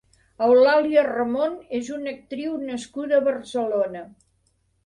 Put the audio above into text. Eulàlia Ramon és una actriu nascuda a Barcelona.